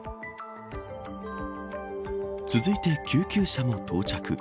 続いて救急車も到着。